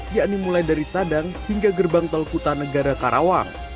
yakni mulai dari sadang hingga gerbang tol kuta negara karawang